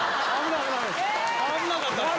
危なかったんですよ。